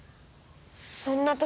そんな時。